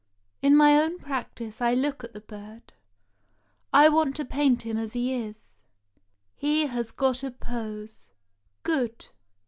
''In my own practice I look at the bird; I want to paint him as he is. He has got a pose. Good!